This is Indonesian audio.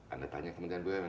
anda tanya kementrian bumn